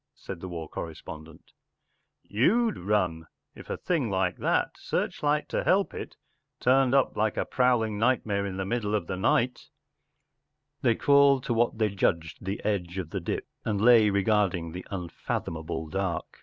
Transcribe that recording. n said Lhe war correspondent “ You'd run if a thing like that, with a searchlight to help it, turned up like a prowling nightmare in the middle of the night” They crawled to what they judged the edge of the dip and lay regarding the un¬ fathomable dark.